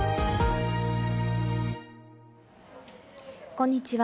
こんにちは。